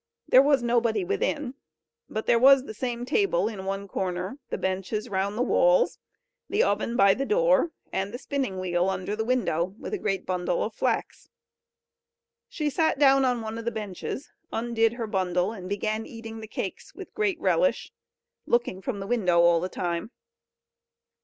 There was nobody within; but there was the same table in one corner, the benches round the walls, the oven by the door, and the spinning wheel, under the window, with a great bundle of flax. She sat down on one of the benches, undid her bundle, and began eating the cakes with great relish, looking from the window all the time.